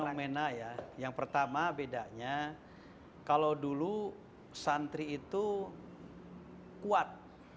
fenomena ya yang pertama bedanya kalau dulu santri itu kuat